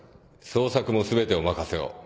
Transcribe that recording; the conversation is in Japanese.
捜索も全てお任せを。